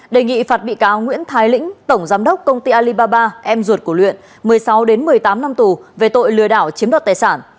đề nghị phạt bị cáo nguyễn thái lĩnh tổng giám đốc công ty alibaba em ruột của luyện một mươi sáu một mươi tám năm tù về tội lừa đảo chiếm đoạt tài sản